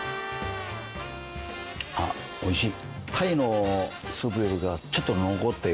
あっおいしい。